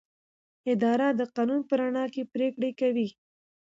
اداره د قانون په رڼا کې پریکړې کوي.